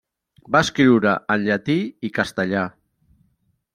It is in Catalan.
Va escriure en llatí i castellà.